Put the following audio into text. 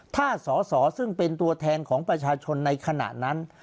ถ้าสอสอซึ่งเป็นตัวแทนของประชาชนในขณะนั้น